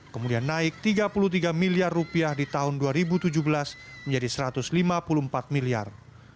kemudian naik rp tiga puluh tiga miliar rupiah di tahun dua ribu tujuh belas menjadi rp satu ratus lima puluh empat miliar